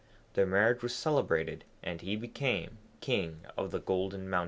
Their marriage was celebrated, and he became King of the Golden Mountain.